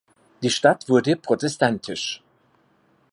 Die Stadt wurde protestantisch.